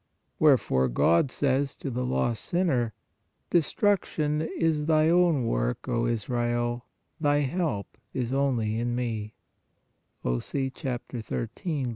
Wherefore, God says to th lost sinner: "Destruction is thy own (work), Israel; thy help is only in Me " (Osee 13.